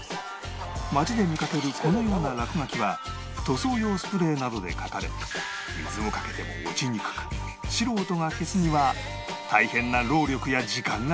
街で見かけるこのような落書きは塗装用スプレーなどで描かれ水をかけても落ちにくく素人が消すには大変な労力や時間がかかってしまう